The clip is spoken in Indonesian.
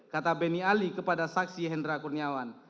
kata beni ali kepada saksi hendra kurniawan